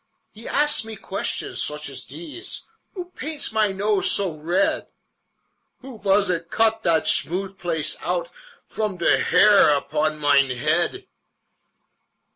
He asks me questions sooch as dese: Who baints mine nose so red? Who vas it cuts dot schmoodth blace oudt Vrom der hair ubon mine hed?